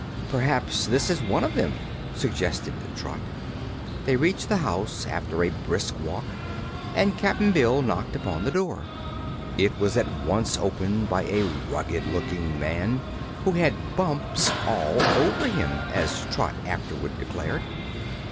"P'raps this is one of them," suggested Trot. They reached the house after a brisk walk and Cap'n Bill knocked upon the door. It was at once opened by a rugged looking man who had "bumps all over him," as Trot afterward declared.